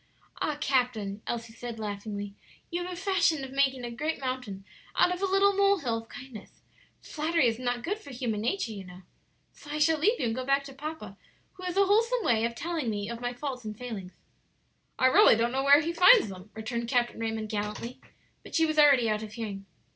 "Ah, captain," Elsie said, laughingly, "you have a fashion of making a great mountain out of a little mole hill of kindness. Flattery is not good for human nature, you know, so I shall leave you and go back to papa, who has a wholesome way of telling me of my faults and failings." "I really don't know where he finds them," returned Captain Raymond, gallantly; but she was already out of hearing.